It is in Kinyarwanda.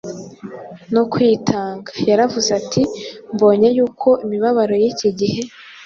no kwitanga, yaravuze ati, “Mbonye yuko imibabaro y’iki gihe